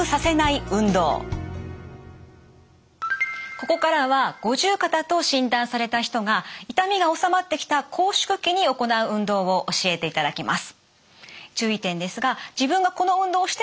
ここからは五十肩と診断された人が痛みが治まってきた拘縮期に行う運動を教えていただきます。